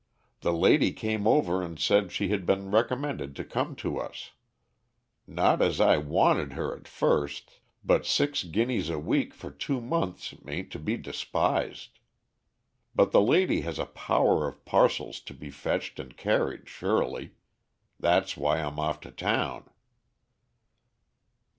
"The lady came over and said she had been recommended to come to us. Not as I wanted her at first, but six guineas a week for two months ain't to be despised. But the lady has a power of parcels to be fetched and carried, surely. That's why I'm off to town."